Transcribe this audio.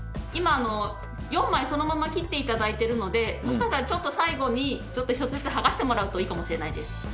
今４枚そのまま切っていただいてるのでもしかしたらちょっと最後に１つずつはがしてもらうといいかもしれないです。